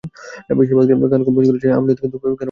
বেশির ভাগ গান কম্পোজ করেছে আমজাদ, কিছু গান আমিও কম্পোজ করেছি।